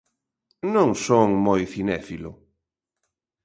Non son moi cinéfilo.